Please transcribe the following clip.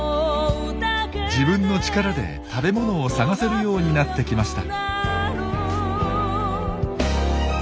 自分の力で食べ物を探せるようになってきました。